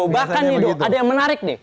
bahkan nih dok ada yang menarik nih